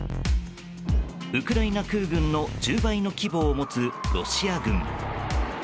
ウクライナ空軍の１０倍の規模を持つロシア軍。